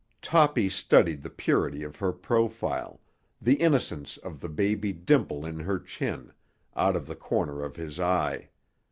Toppy studied the purity of her profile, the innocence of the baby dimple in her chin, out of the corner of his eye.